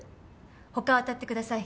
他を当たってください。